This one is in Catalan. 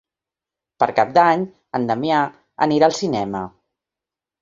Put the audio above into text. Per Cap d'Any en Damià anirà al cinema.